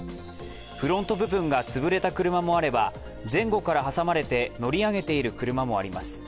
フロント部分がつぶれた車もあれば、前後から挟まれて乗り上げている車もあります。